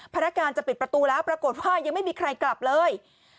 พนักงานจะปิดประตูแล้วปรากฏว่ายังไม่มีใครกลับเลย